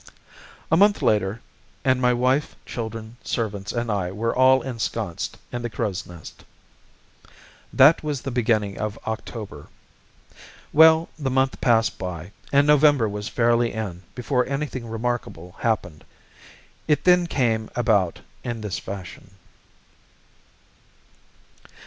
A month later and my wife, children, servants, and I were all ensconced in the Crow's Nest. That was in the beginning of October. Well, the month passed by, and November was fairly in before anything remarkable happened. It then came about in this fashion.